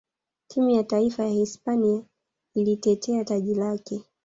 timu ya taifa ya hispania ilitetea taji lake